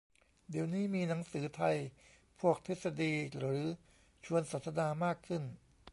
เดี๋ยวนี้มีหนังสือไทยพวกทฤษฎีหรือชวนสนทนามากขึ้น